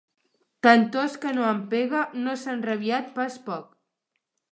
Tantost que no em pega: no s'ha enrabiat pas poc!